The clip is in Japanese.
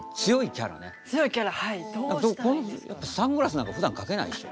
このサングラスなんかふだんかけないでしょ？